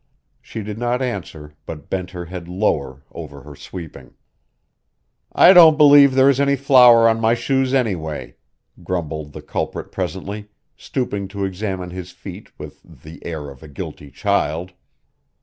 She did not answer but bent her head lower over her sweeping. "I don't believe there is any flour on my shoes, any way," grumbled the culprit presently, stooping to examine his feet with the air of a guilty child.